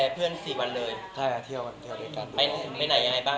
ปุ๊บต่อต่อยมวย